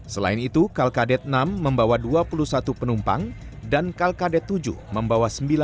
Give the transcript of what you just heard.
selain itu kalkadet enam membawa dua puluh satu penumpang dan kalkadet tujuh membawa